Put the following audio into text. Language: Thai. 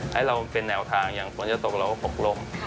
ให้เราเป็นแนวทางอย่างฝนจะตกเราก็ปกลม